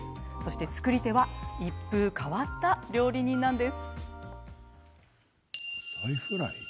作り手は一風変わった料理人なんです。